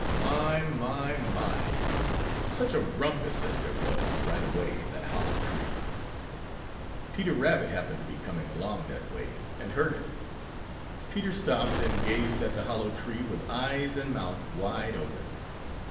My! my! my! such a rumpus as there was right away in that hollow tree! Peter Rabbit happened to be coming along that way and heard it. Peter stopped and gazed at the hollow tree with eyes and mouth wide open.